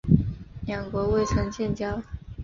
两国未曾建交。